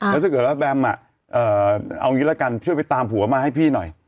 แล้วถ้าเกิดว่าแบมเอางี้ละกันช่วยไปตามผัวมาให้พี่หน่อย